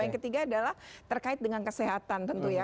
yang ketiga adalah terkait dengan kesehatan tentu ya